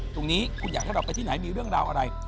ถ้าเราไปที่ไหนมีเรื่องราวอะไร